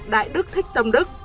đại đức thích tâm đức